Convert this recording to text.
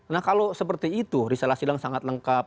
nah kalau seperti itu risalah sidang sangat lengkap